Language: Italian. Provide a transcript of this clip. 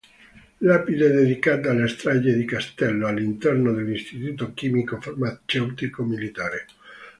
Lapide dedicata alla strage di Castello, all'interno dell'Istituto Chimico Farmaceutico Militare